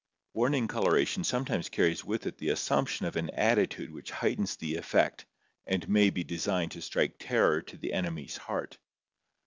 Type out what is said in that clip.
Warning coloration sometimes carries with it the assumption of an attitude which heightens the effect and may be designed to strike terror to the enemy's heart.